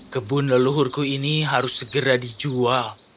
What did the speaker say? kebun leluhurku ini harus segera dijual